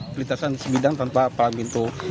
pelintasan sebidang tanpa palang pintu